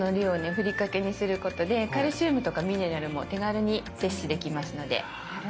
ふりかけにすることでカルシウムとかミネラルも手軽に摂取できますので。